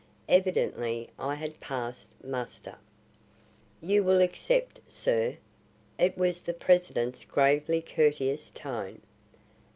Evidently I had passed muster. "You will accept, sir?" It was the president's gravely courteous tone.